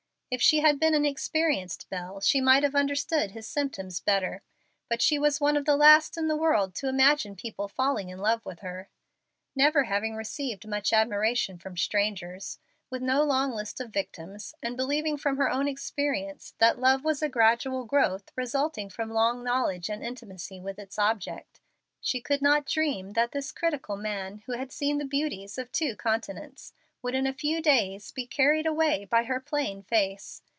If she had been an experienced belle, she might have understood his symptoms better, but she was one of the last in the world to imagine people falling in love with her. Never having received much admiration from strangers, with no long list of victims, and believing from her own experience that love was a gradual growth resulting from long knowledge and intimacy with its object, she could not dream that this critical man, who had seen the beauties of two continents, would in a few days be carried away by her plain face.